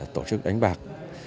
tổ chức đánh bạc